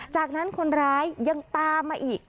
จากนั้นคนร้ายยังตามมาอีก